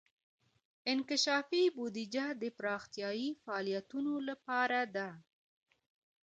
انکشافي بودیجه د پراختیايي فعالیتونو لپاره ده.